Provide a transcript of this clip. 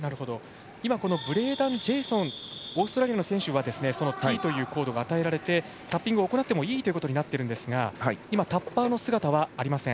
今このブレーダン・ジェイソンオーストラリアの選手Ｔというコードが与えられていいということになってるんですがタッパーの姿はありません。